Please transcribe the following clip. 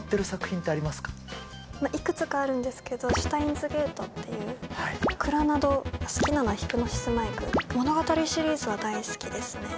いくつかあるんですけど、シュタインズ・ゲートっていう、クラナド、ヒプノシスマイク、物語シリーズは大好きですね。